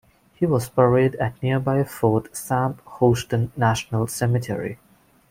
He was buried at nearby Fort Sam Houston National Cemetery.